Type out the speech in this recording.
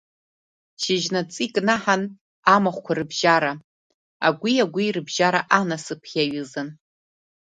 Шьыжьнаҵы икнаҳан амахәқәа рыбжьара, агәи агәи рыбжьара анасыԥ иаҩызан.